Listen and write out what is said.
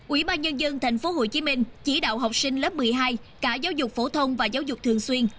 ủy ban nhân dân tp hcm chỉ đạo học sinh lớp một mươi hai cả giáo dục phổ thông và giáo dục thường xuyên